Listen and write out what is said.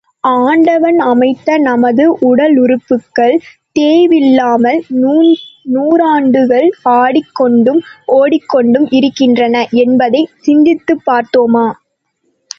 ஆண்டவன் அமைத்த நமது உடலுறுப்புகள் தேய்வில்லாமல், நூறாண்டுகள் ஆடிக் கொண்டும் ஓடிக் கொண்டும் இருக்கின்றன என்பதைச் சிந்தித்துப் பார்த்தோமா?